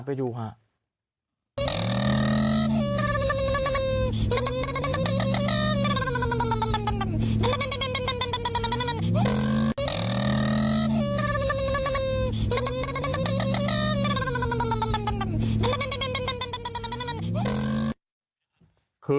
ไปดูค่ะ